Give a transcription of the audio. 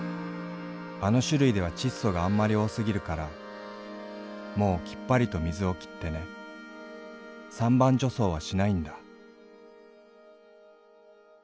あの種類では窒素があんまり多過ぎるからもうきっぱりと灌水を切ってね三番除草はしないんだ」。